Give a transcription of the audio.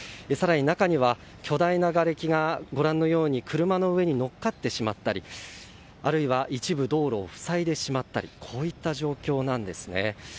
更に中には巨大ながれきがご覧のように車の上に乗っかってしまったりあるいは一部道路を塞いでしまったりこういった状況なんです。